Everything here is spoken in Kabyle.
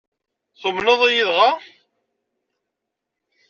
Tumneḍ-iyi dɣa?